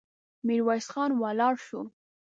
ميرويس خان ولاړ شو.